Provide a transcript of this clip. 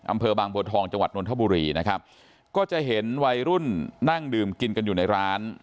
อำเภอบางบัวทองจังหวัดนทบุรีนะครับก็จะเห็นวัยรุ่นนั่งดื่มกินกันอยู่ในร้าน